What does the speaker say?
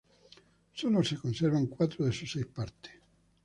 Solo se conservan cuatro de sus seis partes.